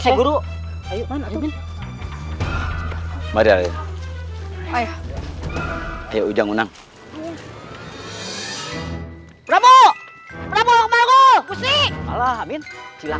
sementara kami akan melanjutkan perjalanan